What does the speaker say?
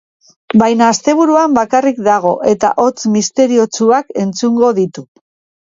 Baina asteburuan bakarrik dago eta hots misteriotsuak entzungo ditu.